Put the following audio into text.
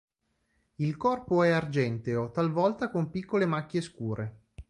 Il corpo è argenteo talvolta con piccole macchie scure.